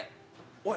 おい！